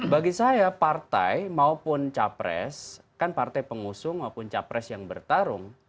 bagi saya partai maupun capres kan partai pengusung maupun capres yang bertarung